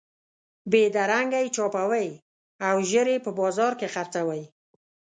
بېدرنګه یې چاپوئ او ژر یې په بازار کې خرڅوئ.